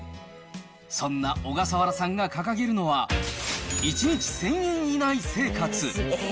そんな小笠原さんが掲げるのは、１日１０００円以内生活。